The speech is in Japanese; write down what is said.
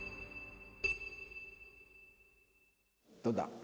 どうだ？